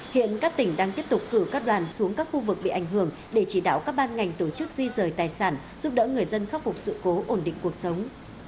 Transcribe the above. hiện các tỉnh đang tiếp tục cử các đoàn xuống các khu vực bị ảnh hưởng để chỉ đạo các ban ngành tổ chức di rời tài sản giúp đỡ người dân khắc phục sự cố ổn định cuộc sống